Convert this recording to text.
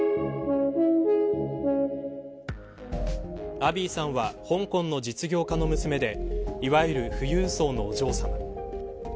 アビーさんは香港の実業家の娘でいわゆる富裕層のお嬢さま。